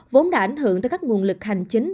vốn đã ảnh hưởng tới các nguồn lực hành chính